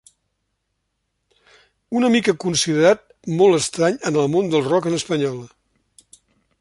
Una mica considerat molt estrany en el món del rock en espanyol.